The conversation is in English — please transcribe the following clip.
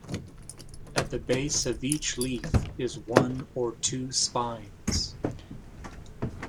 At the base of each leaf is one or two spines.